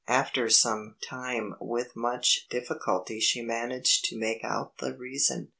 After some time and with much difficulty she managed to make out the reason.